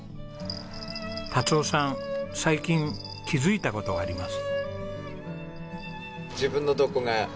達雄さん最近気づいた事があります。